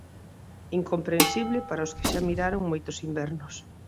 Incomprensible para os que xa miraron moitos invernos.